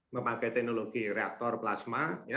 memakai teknologi reaktor plasma